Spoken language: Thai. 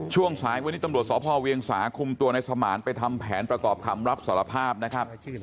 ช่วงสายวันนี้ตำรวจสพเวียงสาคุมตัวในสมานไปทำแผนประกอบคำรับสารภาพนะครับ